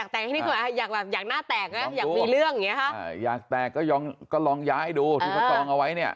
ที่ประกอบเอาไว้เนี่ย